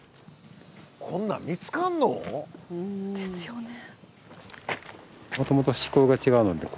こんなん見つかんの？ですよね。